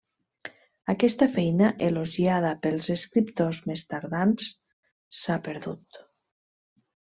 Aquesta feina, elogiada pels escriptors més tardans, s'ha perdut.